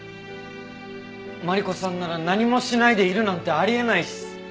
マリコさんなら何もしないでいるなんてあり得ないし。